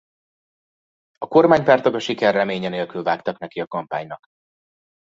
A kormánypártok a siker reménye nélkül vágtak neki a kampánynak.